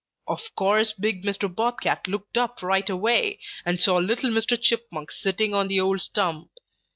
Of course big Mr. Bob Cat looked up right away and saw little Mr. Chipmunk sitting on the old stump.